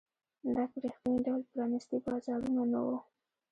دا په رښتیني ډول پرانیستي بازارونه نه وو.